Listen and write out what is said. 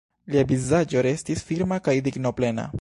Lia vizaĝo restis firma kaj dignoplena.